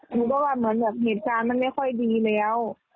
หนูก็ว่าเหมือนแบบเหตุการณ์มันไม่ค่อยดีแล้ว